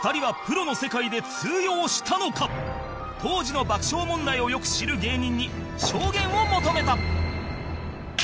当時の爆笑問題をよく知る芸人に証言を求めた